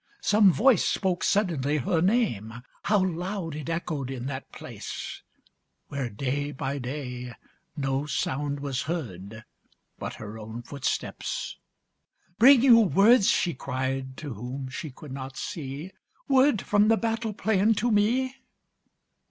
Some voice spoke suddenly her name. How loud it echoed in that place Where, day by day, no sound was heard But her own footsteps! "Bring you word," She cried to whom she could not see, "Word from the battle plain to me?"